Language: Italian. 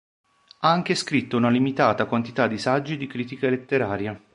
Ha anche scritto una limitata quantità di saggi di critica letteraria.